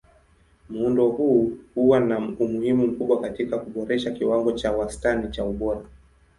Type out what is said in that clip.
Muundo huu huwa na umuhimu mkubwa katika kuboresha kiwango cha wastani cha ubora.